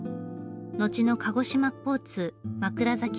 後の鹿児島交通枕崎線です。